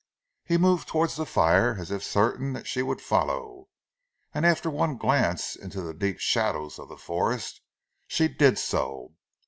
He moved towards the fire, as if certain that she would follow, and after one glance into the deep shadows of the forest, she did so.